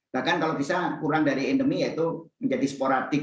bahkan kalau bisa kurang dari endemi yaitu menjadi sporadik